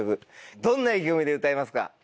どんな意気込みで歌いますか？